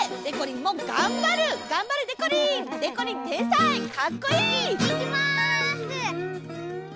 いってきます。